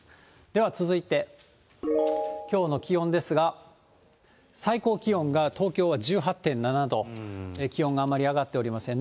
では続いて、きょうの気温ですが、最高気温が東京は１８．７度、気温があまり上がっておりません。